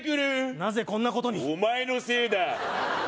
なぜこんなことにお前のせいだ